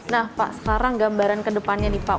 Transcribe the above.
nah pak sekarang gambaran ke depannya nih pak